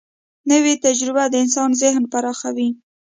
نوې تجربه د انسان ذهن پراخوي